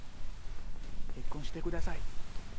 「結婚してください」と。